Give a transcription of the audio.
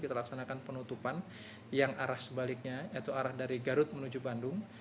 kita laksanakan penutupan yang arah sebaliknya yaitu arah dari garut menuju bandung